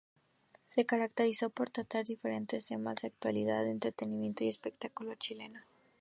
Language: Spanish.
Se caracterizó por tratar diferentes temas de actualidad, entretención y espectáculo chileno.